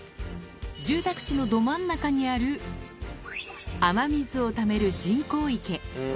住宅地のど真ん中にある、雨水をためる人工池。